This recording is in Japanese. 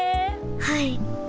はい。